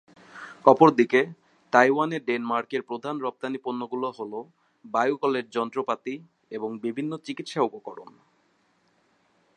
অপরদিকে, তাইওয়ানে ডেনমার্কের প্রধান রপ্তানি পণ্যগুলো হল; বায়ু কলের যন্ত্রপাতি, এবং বিভিন্ন চিকিৎসা উপকরণ।